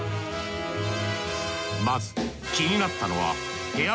まず気になったのはヘアー